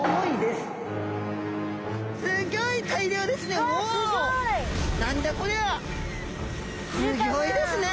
すギョいですね。